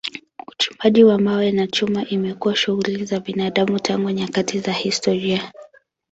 Uchimbaji wa mawe na chuma imekuwa shughuli za binadamu tangu nyakati za kihistoria.